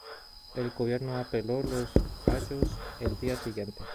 El gobierno apeló los fallos el día siguiente.